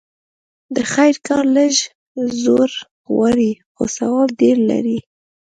د خير کار لږ زور غواړي؛ خو ثواب ډېر لري.